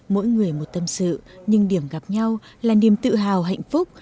mỗi người một tâm sự nhưng điểm gặp nhau là niềm tự hào hạnh phúc